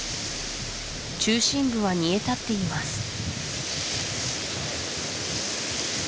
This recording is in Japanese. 中心部は煮えたっています